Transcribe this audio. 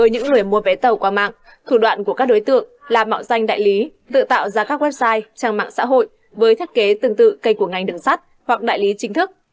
những người mua vé tàu qua mạng thủ đoạn của các đối tượng là mạo danh đại lý tự tạo ra các website trang mạng xã hội với thiết kế tương tự cây của ngành đường sắt hoặc đại lý chính thức